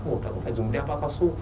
một là cũng phải dùng đeo bao cao su